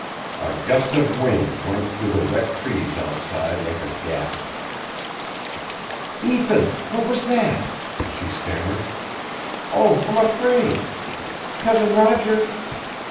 A gust of wind went through the wet trees outside like a gasp. "Ethan, what was that?" she stammered. "Oh, I'm afraid! Cousin Roger